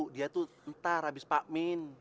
dia tuh ntar abis pak min